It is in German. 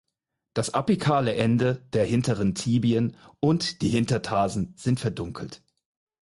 Das apikale Ende der hinteren Tibien und die Hintertarsen sind verdunkelt.